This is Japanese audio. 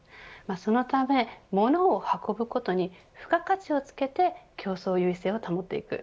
そのため、物を運ぶことに付加価値をつけて競争優位性を保っていく。